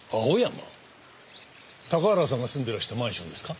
高原さんが住んでいらしたマンションですか？